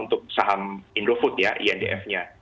untuk saham indofood ya idf nya